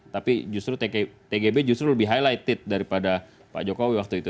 tapi justru tgb justru lebih highlighted daripada pak jokowi waktu itu